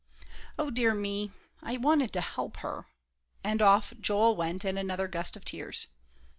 O dear me, I wanted to help her," and off Joel went in another gust of tears.